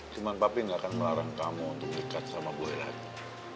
cuman bapin gak akan melarang kamu untuk dekat sama bule lagi